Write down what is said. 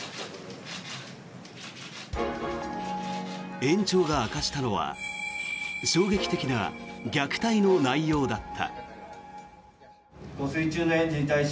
園長が明かしたのは衝撃的な虐待の内容だった。